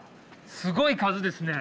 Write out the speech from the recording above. すごい数ですね！